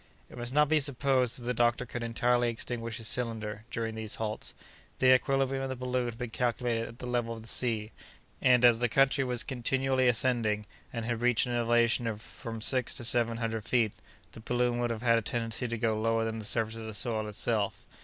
It must not be supposed that the doctor could entirely extinguish his cylinder, during these halts. The equilibrium of the balloon had been calculated at the level of the sea; and, as the country was continually ascending, and had reached an elevation of from six to seven hundred feet, the balloon would have had a tendency to go lower than the surface of the soil itself.